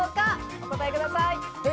お答えください。